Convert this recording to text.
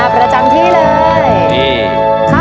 ประจำที่เลย